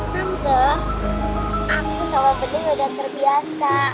tante aku sama bening udah terbiasa